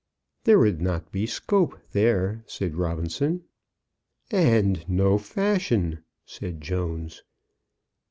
"There would not be scope there," said Robinson. "And no fashion," said Jones.